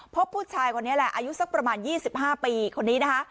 พบผู้ชายคนนี้แหละอายุสักประมาณ๒๕ปีคนนี้นะคะ